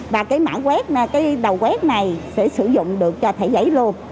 và cái mã web cái đầu quét này sẽ sử dụng được cho thẻ giấy luôn